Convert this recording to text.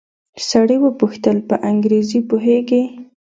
سړي وپوښتل په انګريزي پوهېږې.